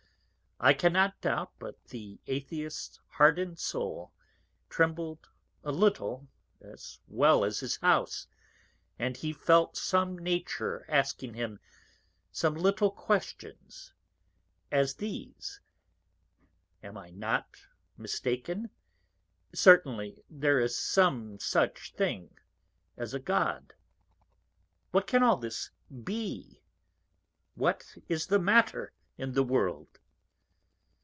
I cannot doubt but the Atheist's hard'ned Soul trembl'd a little as well as his House, and he felt some Nature asking him some little Questions; as these_ Am not I mistaken? Certainly there is some such thing as a God What can all this be? What is the Matter in the World?